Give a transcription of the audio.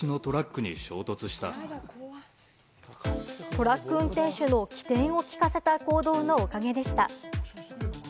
トラック運転手の機転を利かせた行動のおかげでした。